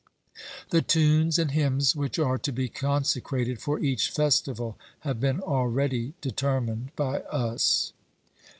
The tunes and hymns which are to be consecrated for each festival have been already determined by us.